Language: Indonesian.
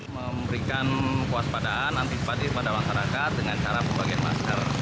memberikan puas padaan antifadir pada masyarakat dengan cara pembagian masker